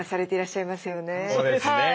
そうですね。